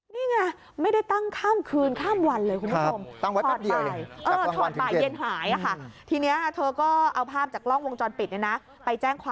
นี่ไงไม่ได้ตั้งข้ามคืนข้ามวันเลยคุณผู้ชม